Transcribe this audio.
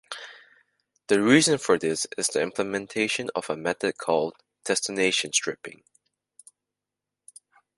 The reason for this is the implementation of a method called "destination stripping".